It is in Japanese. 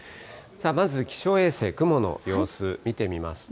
まず気象衛星、雲の様子、見てみますと。